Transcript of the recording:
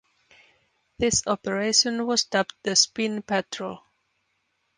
This operation was dubbed the spin patrol.